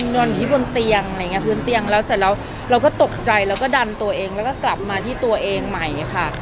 นอนอยู่ที่บนเตียงอะไรอย่างนี้พื้นเตียงแล้วเสร็จแล้วเราก็ตกใจแล้วก็ดันตัวเองแล้วก็กลับมาที่ตัวเองใหม่ค่ะ